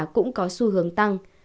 cũng có xu hướng tăng